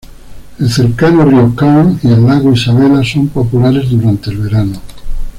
El cercano río Kern y el lago Isabella son populares durante el verano.